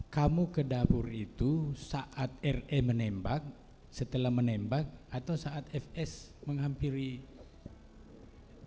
kamu ke dapur itu saat re menembak setelah menembak atau saat fs menghampirik